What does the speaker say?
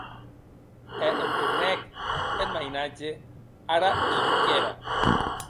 E entornèc eth mainatge ara hilhuquèra.